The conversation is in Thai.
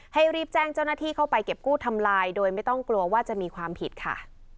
รีบแจ้งเจ้าหน้าที่เข้าไปเก็บกู้ทำลายโดยไม่ต้องกลัวว่าจะมีความผิดค่ะ